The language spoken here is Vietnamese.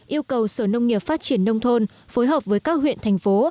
yêu cầu sở nông nghiệp phát triển nông thôn phối hợp với các huyện thành phố